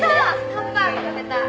ハンバーグ食べたい。